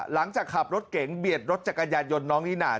หลังจากขับรถเก๋งเบียดรถจักรยานยนต์น้องนิน่า